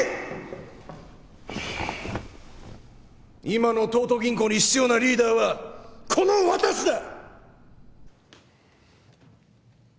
今の東都銀行に必要なリーダーはこの私だ！！